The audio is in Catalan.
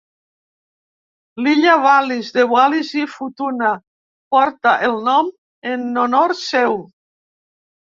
L'illa Wallis, de Wallis i Futuna, porta el nom en honor seu.